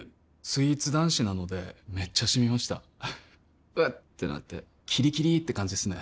スイーツ男子なのでめっちゃシミました「うっ」ってなってキリキリって感じですね